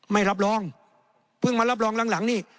ไม่รับรองเพิ่งมารับรองหลังนี่